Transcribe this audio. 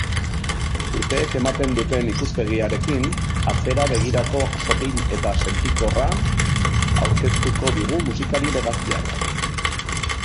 Urteek ematen dutenikuspegiarekin, atzera-begirako sotil eta sentikorra aurkeztuko digumusikari legazpiarrak.